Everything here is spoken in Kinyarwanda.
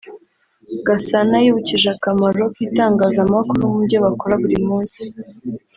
Gasana yibukije akamaro k’itangazamakuru mu byo bakora buri munsi